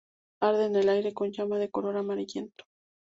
Arde en el aire con llama de color amarillento.